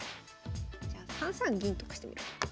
じゃあ３三銀とかしてみる。